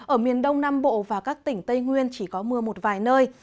ở miền đông nam bộ và các tỉnh tây nguyên chỉ có mưa một vài nơi